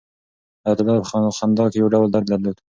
حیات الله په خندا کې یو ډول درد درلود.